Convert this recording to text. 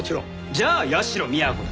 じゃあ社美彌子だ。